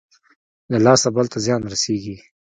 له لاسه بل ته زيان رسېږي.